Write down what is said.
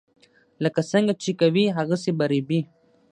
لکه څنګه چې کوې هغسې به ریبې.